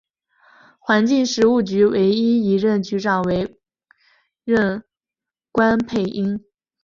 环境食物局唯一一任局长为任关佩英。